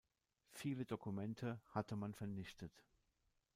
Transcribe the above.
Viele Dokumente hatte man vernichtet.